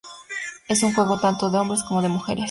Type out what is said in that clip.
Es un juego tanto de hombres como de mujeres.